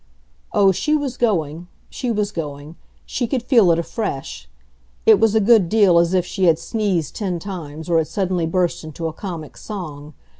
Oh she was going, she was going she could feel it afresh; it was a good deal as if she had sneezed ten times or had suddenly burst into a comic song.